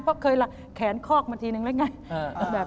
เพราะเคยแขนคอกมาทีนึงแล้วไง